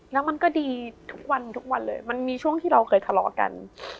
แล้วมันก็ดีทุกวันทุกวันเลยมันมีช่วงที่เราเคยทะเลาะกัน